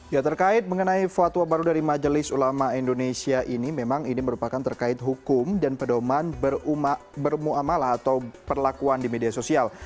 ya terkait mengenai fatwa baru dari majelis ulama indonesia ini memang ini merupakan terkait hukum dan pedoman bermuamalah ⁇ atau perlakuan di media sosial